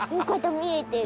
見えてる。